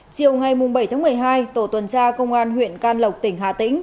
chiều ngày bảy tháng một mươi hai tổ tuần tra công an huyện can lộc tỉnh hà tĩnh